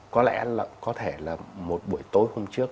có lẽ là có thể là một buổi tối hôm trước